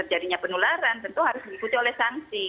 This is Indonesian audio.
jadinya penularan tentu harus diikuti oleh sanksi